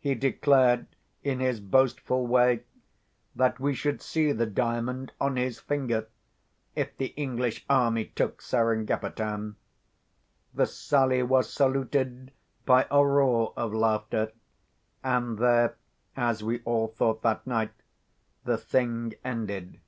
He declared, in his boastful way, that we should see the Diamond on his finger, if the English army took Seringapatam. The sally was saluted by a roar of laughter, and there, as we all thought that night, the thing ended.